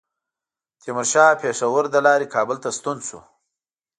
تیمورشاه پېښور له لارې کابل ته ستون شو.